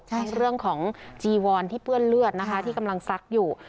ทั้งเรื่องของจีวอนที่เปื้อนเลือดนะคะที่กำลังซักอยู่